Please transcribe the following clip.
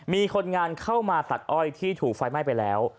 มีคนงานเข้ามาตัดอ้อยที่ถูกไฟไหม้ไปแล้ว